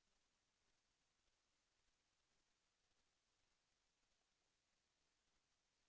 แสวได้ไงของเราก็เชียนนักอยู่ค่ะเป็นผู้ร่วมงานที่ดีมาก